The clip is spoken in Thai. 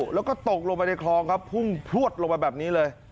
แล้วก็ตกลงไปในคลองครับพุ่งพลวดลงมาแบบนี้เลย